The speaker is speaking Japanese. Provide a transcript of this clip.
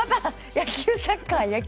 野球サッカー野球！